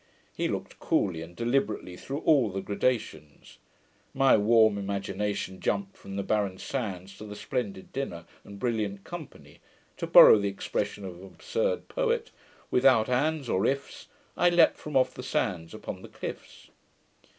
HE looked coolly and deliberately through all the gradations: my warm imagination jumped from the barren sands to the splendid dinner and brilliant company, to borrow the expression of an absurd poet, Without ands or ifs, I leapt from off the sands upon the cliffs.